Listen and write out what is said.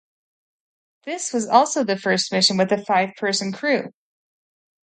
This was also the first mission with a five-person crew.